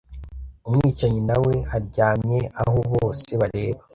Umwicanyi nawe aryamye aho bose bareba